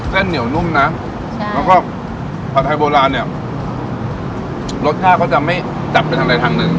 เส้นเหนียวนุ่มนะใช่แล้วก็ผัดไทยโบราณเนี่ยรสชาติเขาจะไม่จับไปทางใดทางหนึ่ง